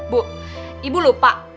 bu ibu lupa